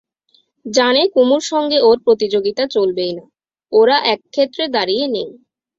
জানে কুমুর সঙ্গে ওর প্রতিযোগিতা চলবেই না, ওরা এক ক্ষেত্রে দাঁড়িয়ে নেই।